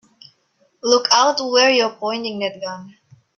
Look out where you're pointing that gun!